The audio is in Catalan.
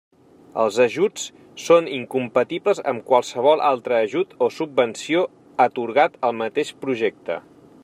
Els ajuts són incompatibles amb qualsevol altre ajut o subvenció atorgat al mateix projecte.